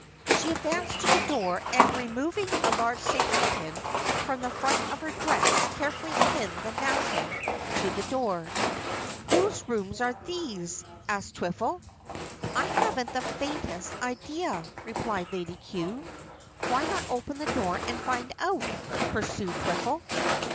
She advanced to the door, and removing a large safety pin from the front of her dress, carefully pinned the napkin to the door. "Whose rooms are these?" asked Twiffle. "I haven't the faintest idea," replied Lady Cue. "Why not open the door and find out?" pursued Twiffle.